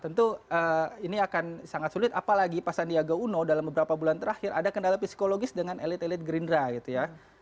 tentu ini akan sangat sulit apalagi pak sandiaga uno dalam beberapa bulan terakhir ada kendala psikologis dengan elit elit gerindra gitu ya